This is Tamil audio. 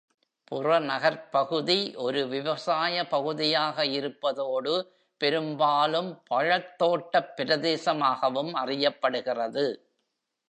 புறநகர்ப் பகுதி ஒரு விவசாய பகுதியாக இருப்பதோடு, பெரும்பாலும் பழத்தோட்டப் பிரதேசமாகவும் அறியப்படுகிறது.